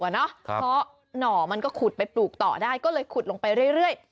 เพราะหน่อมันก็ขุดไปปลูกต่อได้ก็เลยขุดลงไปเรื่อย